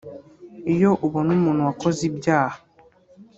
iyo ubona umuntu wakoze ibyaha